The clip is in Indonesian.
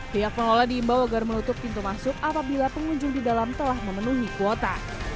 pihak pengelola diimbau agar menutup pintu masuk apabila pengunjung di dalam telah memenuhi kuota